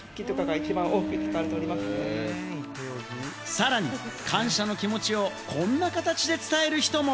さらに感謝の気持ちをこんな形で伝える人も。